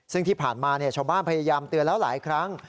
ซึ่งที่ผ่านมาชาวบ้านพยายามเตือนแล้วหลายครั้ง